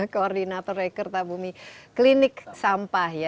koordinator rekertabumi klinik sampah